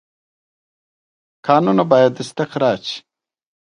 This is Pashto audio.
کانونه باید استخراج شي